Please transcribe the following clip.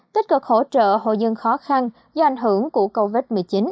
tích cực hỗ trợ hộ dân khó khăn do ảnh hưởng của covid một mươi chín